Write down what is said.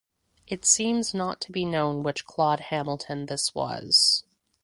It seems not to be known which Claud Hamilton this was.